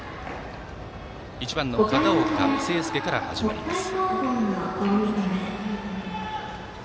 １番の片岡誠亮から始まります。